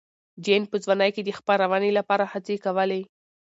جین په ځوانۍ کې د خپرونې لپاره هڅې کولې.